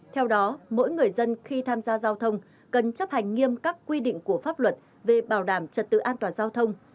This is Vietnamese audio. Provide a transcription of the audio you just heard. theo đó mỗi người dân khi tham gia giao thông cần chấp hành nghiêm các quy định của pháp luật về bảo đảm trật tự an toàn giao thông